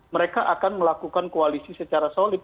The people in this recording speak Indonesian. mereka akan melakukan koalisi secara solid